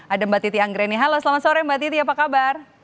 ada mbak titi anggreni halo selamat sore mbak titi apa kabar